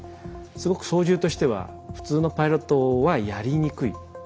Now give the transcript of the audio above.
すごく操縦としては普通のパイロットはやりにくい。